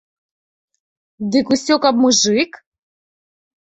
Дык усё каб мужык?